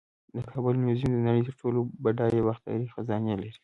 د کابل میوزیم د نړۍ تر ټولو بډایه باختري خزانې لري